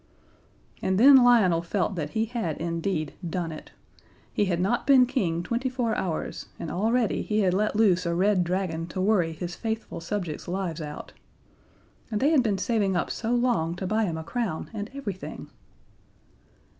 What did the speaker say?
And then Lionel felt that he had indeed done it. He had not been King twenty four hours, and already he had let loose a Red Dragon to worry his faithful subjects' lives out. And they had been saving up so long to buy him a crown, and everything!